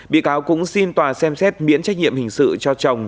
bị cáo cũng xin tòa xem xét miễn trách nhiệm hình sự cho chồng